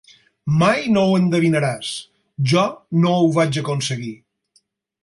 Mai no ho endevinaràs! Jo no ho vaig aconseguir.